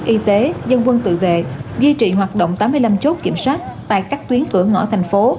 y tế dân quân tự vệ duy trì hoạt động tám mươi năm chốt kiểm soát tại các tuyến cửa ngõ thành phố